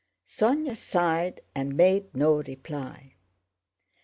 Sónya sighed and made no reply.